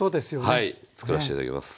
はい作らして頂きます。